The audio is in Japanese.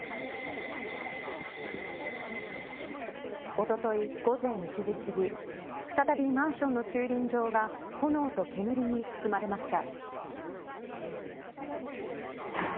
おととい、午前１時すぎ再びマンションの駐輪場が炎と煙に包まれました。